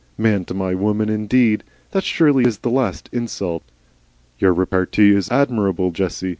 Man to my woman indeed! That surely is the last insult!" "Your repartee is admirable, Jessie.